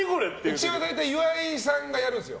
うちは大体岩井さんがやるんですよ。